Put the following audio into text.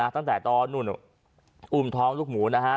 ตั้งแต่ตอนนู่นอุ้มท้องลูกหมูนะฮะ